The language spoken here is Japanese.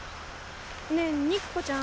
ねえ肉子ちゃん。